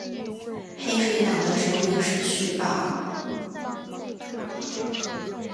黑水党的首领是徐保。